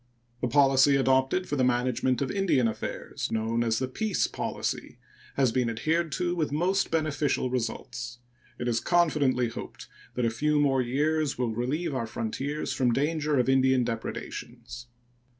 The policy adopted for the management of Indian affairs, known as the peace policy, has been adhered to with most beneficial results. It is confidently hoped that a few years more will relieve our frontiers from danger of Indian depredations.